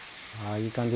いい感じ。